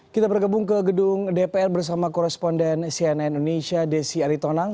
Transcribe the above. kita bergabung ke gedung dpr bersama koresponden cnn indonesia desi aritonang